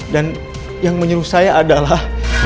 dan yang menyuruh saya adalah